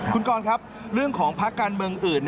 คุณกรครับเรื่องของพักการเมืองอื่น